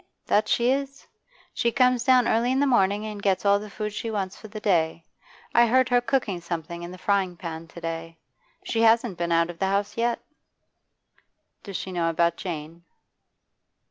'That she is She comes down early in the morning and gets all the food she wants for the day. I heard her cooking something in a frying pan to day. She hasn't been out of the house yet.' 'Does she know about Jane?